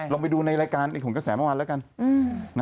ลองไปดูในรายการของกระแสเมื่อวานแล้วกัน